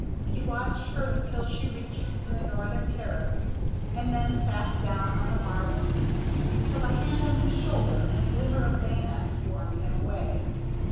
He watched her until she reached the northern terrace, and then sat down on the marble seat until a hand on his shoulder and a glimmer of bayonets warned him away.